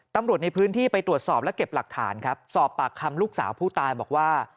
ตำรวจในพื้นที่ไปตรวจสอบและเก็บหลักฐานครับสอบปากคำลูกสาวผู้ตายบอกว่า